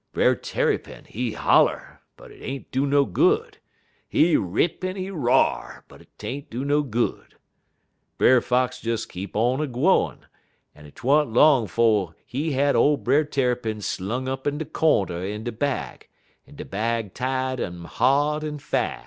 "Brer Tarrypin, he holler, but 't ain't do no good, he rip en he r'ar, but 't ain't do no good. Brer Fox des keep on a gwine, en 't wa'n't long 'fo' he had ole Brer Tarrypin slung up in de cornder in de bag, en de bag tied un hard en fas'.